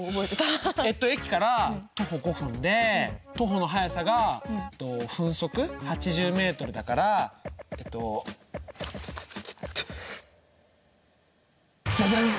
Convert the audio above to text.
えっと駅から徒歩５分で徒歩の速さが分速８０ｍだからえっとじゃじゃん！